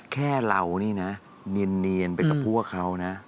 แค่เรานี่นะเนียนไปกับพวกเขานะ